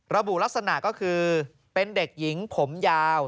ลักษณะก็คือเป็นเด็กหญิงผมยาว